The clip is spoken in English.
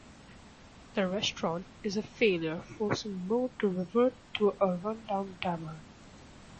The restaurant is a failure, forcing Moe to revert to a run-down tavern.